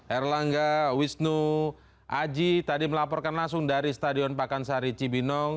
erlangga wisnu aji tadi melaporkan langsung dari stadion pakansari cibinong